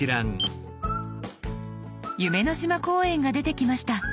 「夢の島公園」が出てきました。